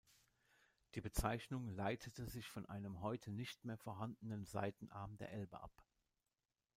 Die Bezeichnung leitete sich von einem heute nicht mehr vorhandenen Seitenarm der Elbe ab.